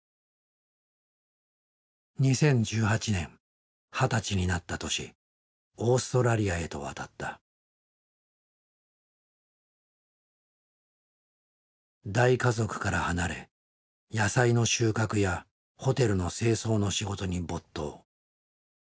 ２０１８年二十歳になった年大家族から離れ野菜の収穫やホテルの清掃の仕事に没頭。